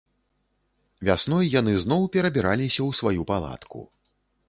Вясной яны зноў перабіраліся ў сваю палатку.